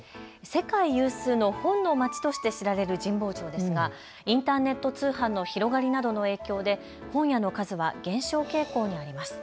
世界有数の本の街として知られる神保町ですがインターネット通販の広がりなどの影響で本屋の数は減少傾向にあります。